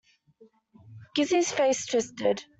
Gussie's face twisted.